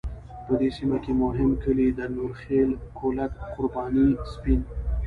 په دې سیمه کې مهم کلی د نوره خیل، کولک، قرباني، سپین .